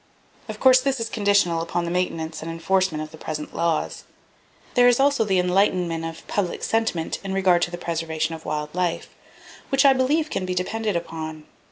Of course, this is conditional upon the maintenance and enforcement of the present laws. There is also the enlightenment of public sentiment in regard to the preservation of wild life, which I believe can be depended upon.